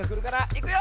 いくよ！